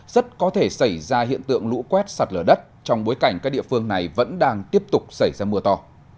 rất có thể xảy ra hiện tượng lũ quét sạt lở đất trong bối cảnh các địa phương này vẫn đang tiếp tục xảy ra mưa to